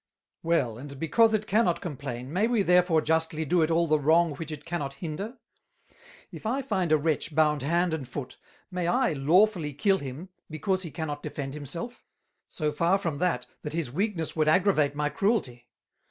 "Well, and because it cannot complain, may we therefore justly do it all the Wrong which it cannot hinder? If I find a Wretch bound Hand and Foot, may I lawfully kill him, because he cannot defend himself? so far from that, that his Weakness would aggravate my Cruelty.